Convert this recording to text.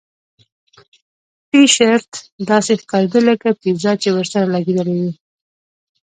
ټي شرټ داسې ښکاریده لکه پیزا چې ورسره لګیدلې وي